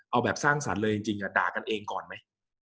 เอาแบบสร้างสรรค์เลยจริงด่ากันเองก่อนไหม